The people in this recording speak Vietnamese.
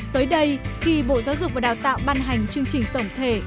tới đây khi bộ giáo dục và đào tạo ban hành chương trình tổng thể